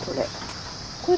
これ。